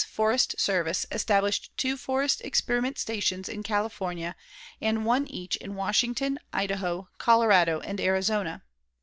Forest Service established two forest experiment stations in California and one each in Washington, Idaho, Colorado, and Arizona.